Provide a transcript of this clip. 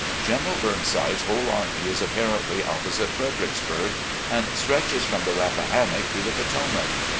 . (general Burnside's whole army is apparently opposite Fredericksbtirg, and stretches from the Rap pahannock to the Potomac.